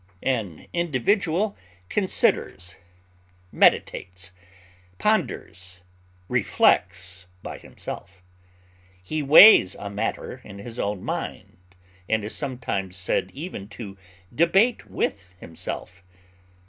An individual considers, meditates, ponders, reflects, by himself; he weighs a matter in his own mind, and is sometimes said even to debate with himself.